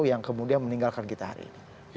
yang kemudian meninggalkan kita hari ini